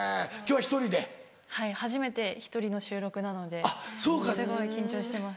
はい初めて１人の収録なのですごい緊張してます。